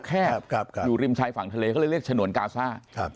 แคบอยู่ริมชายฝั่งทะเลเขาเลยเรียกฉนวนกาซ่า